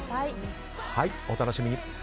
お楽しみに。